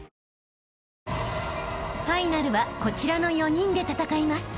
［ファイナルはこちらの４人で戦います］